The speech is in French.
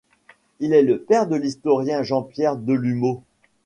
Il est le père de l'historien Jean-Pierre Delumeau.